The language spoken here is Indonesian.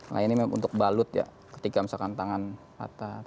nah ini untuk balut ya ketika misalkan tangan patah